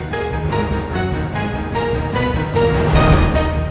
tidak ada hubungan